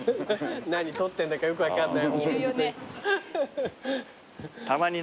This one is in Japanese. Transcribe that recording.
何撮ってんだかよく分かんない。